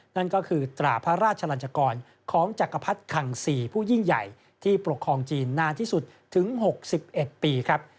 นั่นก็คือตราพระราชลันจกรของจักรพรรดิคัง๔ผู้ยิ่งใหญ่ที่ปกครองจีนนานที่สุดถึง๖๑ปีครับ